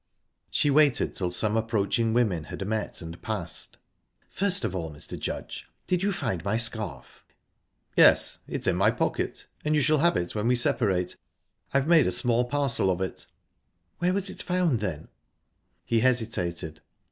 She waited till some approaching women had met and passed. "First of all, Mr. Judge did you find my scarf?" "Yes; it's in my pocket, and you shall have it when we separate. I've made a small parcel of it." "Where was it found, then?" He hesitated.